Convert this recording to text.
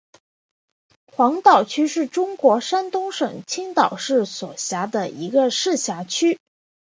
黄岛区是中国山东省青岛市所辖的一个市辖区。